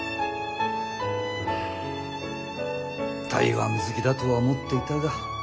台湾好きだとは思っていたが。